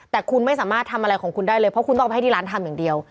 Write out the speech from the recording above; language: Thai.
แต่คุณไม่สามารถทำอะไรของคุณได้เลยเพราะคุณต้องไปให้ที่ร้านทำอย่างเดียว